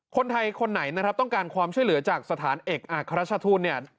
คนไทยคนไหนต้องการความช่วยเหลือจากสถานเอกอักราชทูต